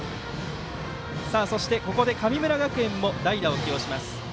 ここで、神村学園も代打を起用します。